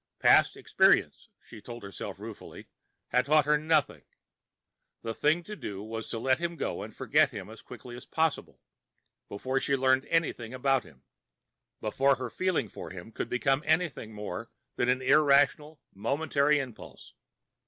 Past experience, she told herself ruefully, had taught her nothing. The thing to do was to let him go and forget him as quickly as possible, before she learned anything about him, before her feeling for him could become anything more than an irrational, momentary impulse.